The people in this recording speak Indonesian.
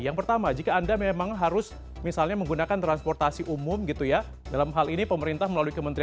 yang pertama jika anda memang harus misalnya menggunakan transportasi umum gitu ya dalam hal ini pemerintah melalui kementerian